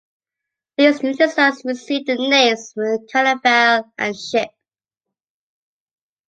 These new designs received the names of caravel and ship.